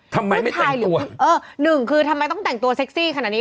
ทำไมไม่แต่งตัวเออหนึ่งคือทำไมต้องแต่งตัวเซ็กซี่ขนาดนี้